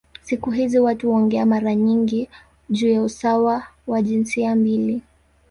Siku hizi watu huongea mara nyingi juu ya usawa wa jinsia mbili.